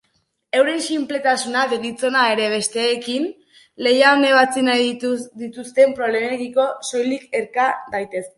Euren sinpletasuna deritzona ere besteekin lehian ebatzi nahi dituzten problemekiko soilik erka daiteke.